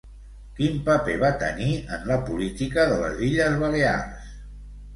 Quin paper va tenir en la política de les Illes Balears?